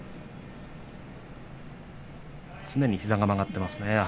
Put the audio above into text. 常に膝が曲がっていますね。